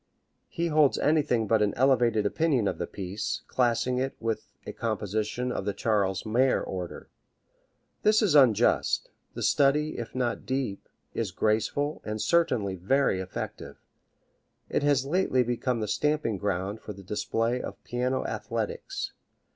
He holds anything but an elevated opinion of the piece, classing it with a composition of the Charles Mayer order. This is unjust; the study if not deep is graceful and certainly very effective. It has lately become the stamping ground for the display of piano athletics.